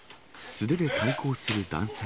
素手で対抗する男性。